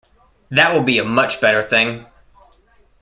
That will be a much better thing.